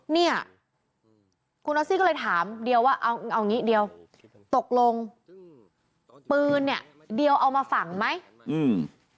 เนี่ยคุณออสซี่ก็เลยถามเดียวว่าเอาเอางี้เดียวตกลงอืมปืนเนี้ยเดียวเอามาฝังไหมอืม